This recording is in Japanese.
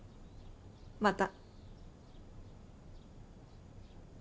また。